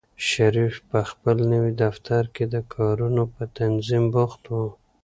شریف په خپل نوي دفتر کې د کارونو په تنظیم بوخت و.